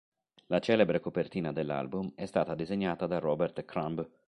La celebre copertina dell'album è stata disegnata da Robert Crumb.